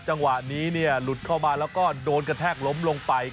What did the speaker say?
จังหวะนี้หลุดเข้ามาแล้วก็โดนกระแทกล้มลงไป